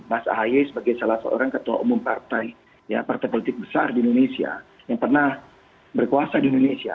mas ahaye sebagai salah seorang ketua umum partai politik besar di indonesia yang pernah berkuasa di indonesia